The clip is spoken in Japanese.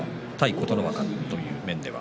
琴ノ若という面では。